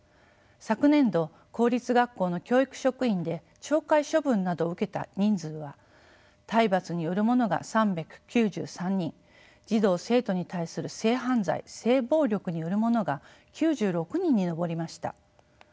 昨年度公立学校の教育職員で懲戒処分などを受けた人数は体罰によるものが３９３人児童生徒に対する性犯罪・性暴力によるものが９６人に上りました。